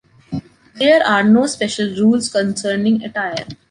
There are no special rules concerning attire.